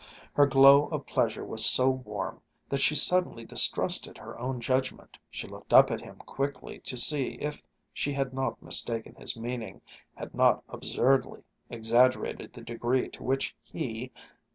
Her glow of pleasure was so warm that she suddenly distrusted her own judgment, she looked up at him quickly to see if she had not mistaken his meaning, had not absurdly exaggerated the degree to which he